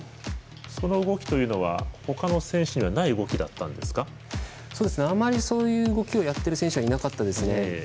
その動きというのは他の選手にはあまり、そういう動きをやっている選手はいなかったですね。